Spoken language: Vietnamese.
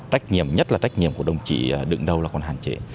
trách nhiệm nhất là trách nhiệm của đồng chỉ đựng đầu là còn hạn chế